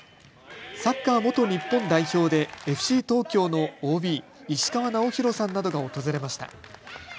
サッカー元日本代表でＦＣ東京のＯＢ、石川直宏さんなどが訪れました。